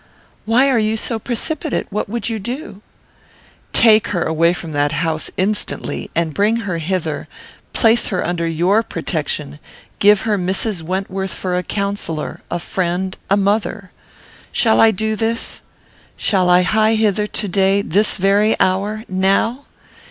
"Why are you so precipitate? What would you do?" "Take her away from that house instantly bring her hither place her under your protection give her Mrs. Wentworth for a counsellor a friend a mother. Shall I do this? Shall I hie thither to day, this very hour now?